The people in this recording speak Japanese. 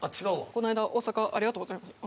この間大阪ありがとうございました。